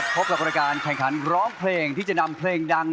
พบกับรายการแข่งขันร้องเพลงที่จะนำเพลงดัง